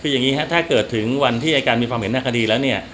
คืออย่างนี้ครับถ้าเกิดถึงวันที่อายการมีความเห็นทางคดีแล้วเนี่ย